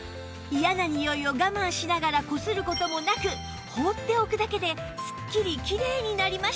嫌なにおいを我慢しながらこする事もなく放っておくだけですっきりキレイになりました